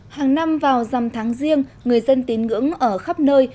hàng năm vào dằm tháng riêng người dân tín ngưỡng ở khắp nơi